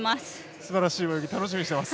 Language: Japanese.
すばらしい泳ぎ楽しみにしています。